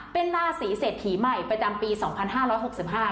เป็นราศีเศรษฐีใหม่ประจำปีสองพันห้าร้อยหกสิบห้า